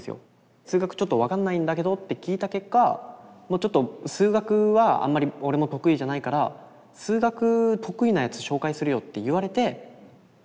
「数学ちょっと分かんないんだけど」って聞いた結果ちょっと「数学はあんまり俺も得意じゃないから「数学得意なやつ紹介するよ」って言われて。